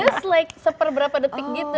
just like seperberapa detik gitu